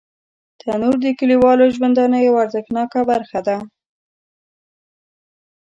تنور د کلیوالو ژوندانه یوه ارزښتناکه برخه ده